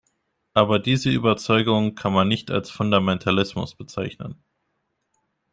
Aber diese Überzeugung kann man nicht als Fundamentalismus bezeichnen.